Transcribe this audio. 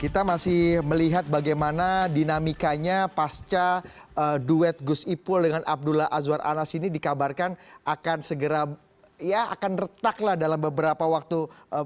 kita masih melihat bagaimana dinamikanya pasca duet gus ipul dengan abdullah azwar anas ini dikabarkan akan segera ya akan retak lah dalam beberapa waktu